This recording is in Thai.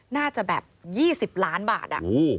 น่าจะแบบ๒๐ล้านบาท